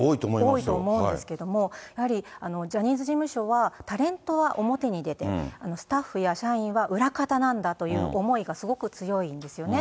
多いと思うんですけれども、やはりジャニーズ事務所は、タレントは表に出て、スタッフや社員は裏方なんだという思いがすごく強いんですよね。